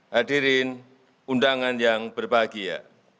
hadirin undangan yang berbahagia